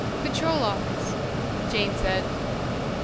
"Patrol Office," Jane said.